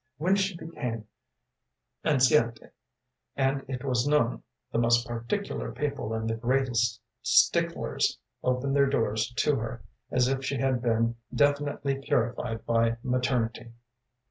“When she became enceinte, and it was known, the most particular people and the greatest sticklers opened their doors to her, as if she had been definitely purified by maternity.